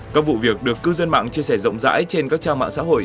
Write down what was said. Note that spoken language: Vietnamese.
các vụ việc được cư dân mạng chia sẻ rộng rãi trên các trang mạng xã hội